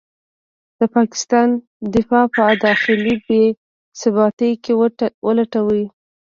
د پاکستان دفاع په داخلي بې ثباتۍ کې ولټوي.